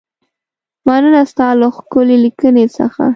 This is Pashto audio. مننه ستا له ښکلې لیکنې څخه.